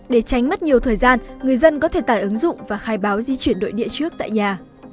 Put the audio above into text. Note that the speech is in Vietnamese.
để tránh mất nhiều thời gian người dân có thể tải ứng dụng và khai báo di chuyển đội địa trước tại nhà